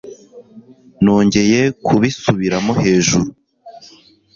Nongeye kubisubiramo hejuru